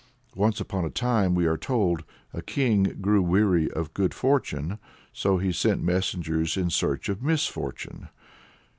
Once upon a time, we are told, a king grew weary of good fortune, so he sent messengers in search of misfortune.